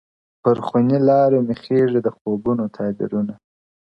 پر خوني لارو مي خیژي د خوبونو تعبیرونه -